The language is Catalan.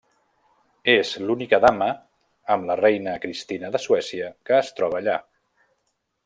És l'única dama, amb la reina Cristina de Suècia, que es troba allà.